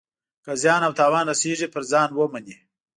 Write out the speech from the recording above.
که زیان او تاوان رسیږي پر ځان ومني.